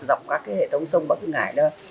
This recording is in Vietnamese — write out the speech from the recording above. dọc các cái hệ thống sông bất ngại đó